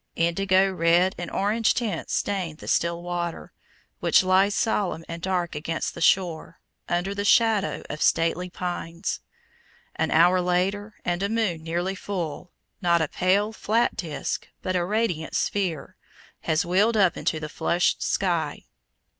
Indigo, red, and orange tints stain the still water, which lies solemn and dark against the shore, under the shadow of stately pines. An hour later, and a moon nearly full not a pale, flat disc, but a radiant sphere has wheeled up into the flushed sky.